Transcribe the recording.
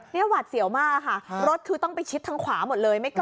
นี่หวัดเสี่ยวมากค่ะรถคือต้องไปชิดทางขวาหมดเลย